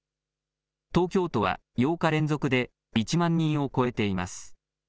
東京都は８日連続で１万人を超えています。